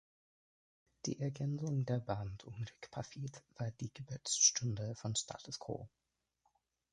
Die Ergänzung der Band um Rick Parfitt war die Geburtsstunde von Status Quo.